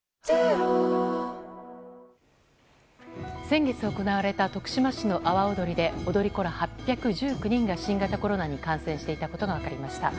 先月行われた徳島市の阿波踊りで踊り子ら８１９人が新型コロナに感染していたことが分かりました。